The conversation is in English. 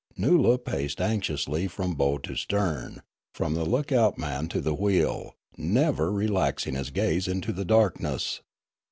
Noola paced anxiously from bow to stern, from the look out man to the wheel, never relaxing his gaze into the darkness.